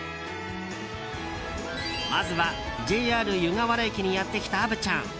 まずはＪＲ湯河原駅にやってきた虻ちゃん。